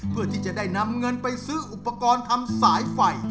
เพื่อที่จะได้นำเงินไปซื้ออุปกรณ์ทำสายไฟ